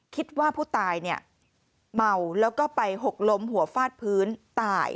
คิดว่าผู้ตายเนี่ยเมาแล้วก็ไปหกล้มหัวฟาดพื้นตาย